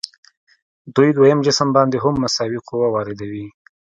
دوی دویم جسم باندې هم مساوي قوه واردوي.